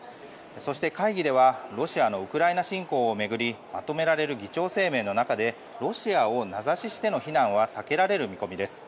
そして会議ではロシアのウクライナ侵攻を巡りまとめられる議長声明の中でロシアを名指ししての非難は避けられる見込みです。